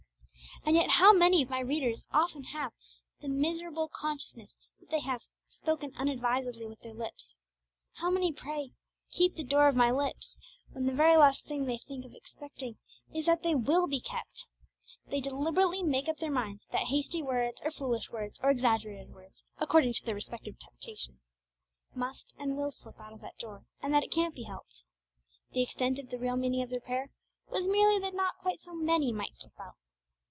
And yet how many of my readers often have the miserable consciousness that they have 'spoken unadvisedly with their lips'! How many pray, 'Keep the door of my lips,' when the very last thing they think of expecting is that they will be kept! They deliberately make up their minds that hasty words, or foolish words, or exaggerated words, according to their respective temptations, must and will slip out of that door, and that it can't be helped. The extent of the real meaning of their prayer was merely that not quite so many might slip out.